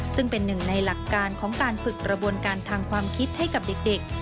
ซึ่งเป็นหนึ่งในหลักการของการฝึกกระบวนการทางความคิดให้กับเด็ก